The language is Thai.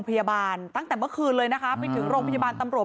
พยาบาลตั้งแต่เมื่อคืนเลยนะคะไปถึงโรงพยาบาลตำรวจ